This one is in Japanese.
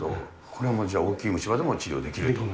これはもう大きい虫歯も治療できると。